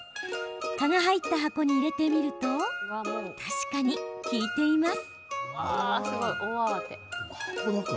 蚊が入った箱に入れてみると確かに効いています。